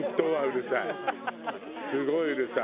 すごいうるさい。